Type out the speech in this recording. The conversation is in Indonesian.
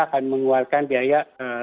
akan mengeluarkan biaya